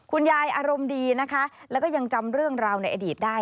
อารมณ์ดีนะคะแล้วก็ยังจำเรื่องราวในอดีตได้